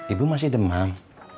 ibu masih demam